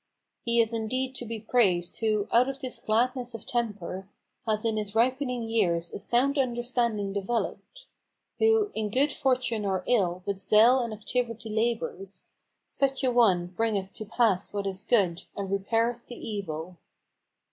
He is indeed to be praised, who, out of this gladness of temper, Has in his ripening years a sound understanding developed; Who, in good fortune or ill, with zeal and activity labors: Such an one bringeth to pass what is good, and repaireth the evil."